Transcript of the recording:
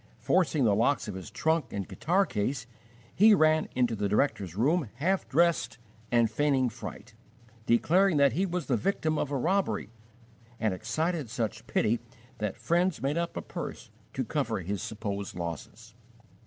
Forcing the locks of his trunk and guitar case, he ran into the director's room half dressed and feigning fright, declaring that he was the victim of a robbery, and excited such pity that friends made up a purse to cover his supposed losses.